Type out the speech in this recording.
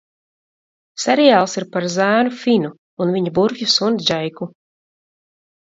Seriāls ir par zēnu Finu un viņa burvju suni Džeiku.